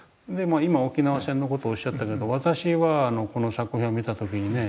今沖縄戦の事をおっしゃったけど私はこの作品を見た時にね